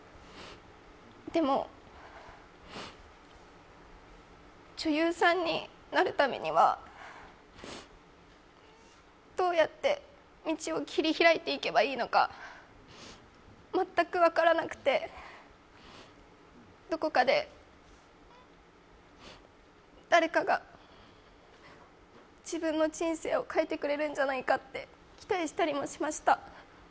でも、女優さんになるためにはどうやって道を切り開いていけばいいのか、全く分からなくて、どこかで誰かが自分の人生を変えてくれるんじゃないかって期待したりもしました。